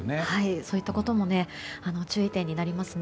そういったことも注意点ですね。